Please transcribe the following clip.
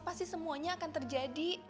pasti semuanya akan terjadi